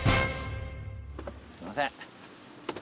すいません。